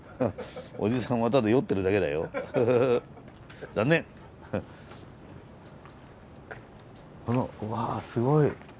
おじさんはただ酔ってるだけだよ残念！わすごい。